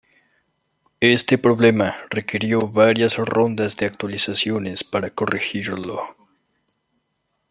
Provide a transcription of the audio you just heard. Este problema requirió varias rondas de actualizaciones para corregirlo.